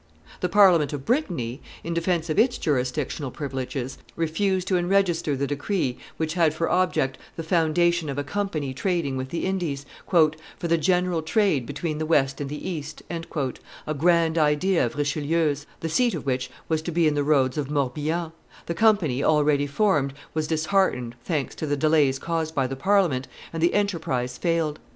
The Parliament of Brittany, in defence of its jurisdictional privileges, refused to enregister the decree which had for object the foundation of a company trading with the Indies, "for the general trade between the West and the East," a grand idea of Richelieu's, the seat of which was to be in the roads of Morbihan; the company, already formed, was disheartened, thanks to the delays caused by the Parliament, and the enterprise failed.